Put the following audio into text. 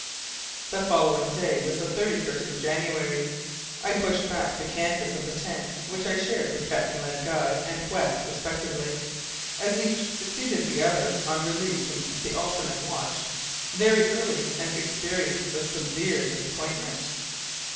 The following day was the 31st of January. I pushed back the canvas of the tent, which I shared with Captain Len Guy and West respectively, as each succeeded the other on release from the alternate "watch," very early, and experienced a severe disappointment.